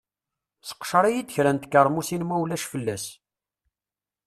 Seqcer-iyi-d kra n tkeṛmusin ma ulac fell-as.